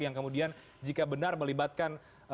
yang kemudian jika benar melibatkan